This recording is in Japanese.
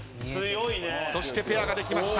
そしてペアができました。